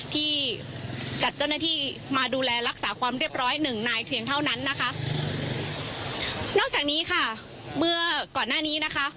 ที่จัดเจ้าหน้าที่มาดูแลรักษาความเรียบร้อยหนึ่งนายเพียงเท่านั้นนะคะนอกจากนี้ค่ะเมื่อก่อนหน้านี้นะคะ